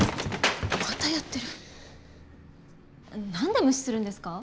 何で無視するんですか？